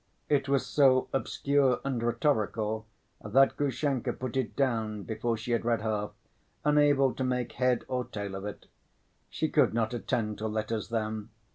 It was so obscure and rhetorical that Grushenka put it down before she had read half, unable to make head or tail of it. She could not attend to letters then.